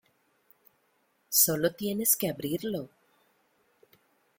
solo tienes que abrirlo.